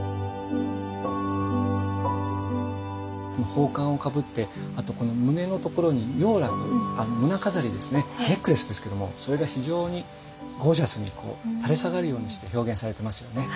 宝冠をかぶってあとこの胸のところにネックレスですけどもそれが非常にゴージャスに垂れ下がるようにして表現されてますよね。